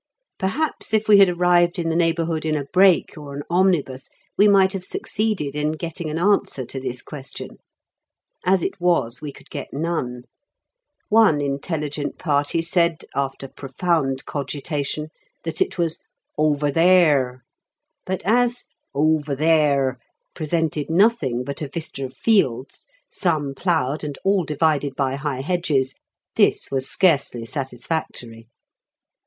Perhaps if we had arrived in the neighbourhood in a brake or an omnibus, we might have succeeded in getting an answer to this question. As it was, we could get none. One intelligent party said, after profound cogitation, that it was "over theere," but as "over theere" presented nothing but a vista of fields some ploughed and all divided by high hedges this was scarcely satisfactory.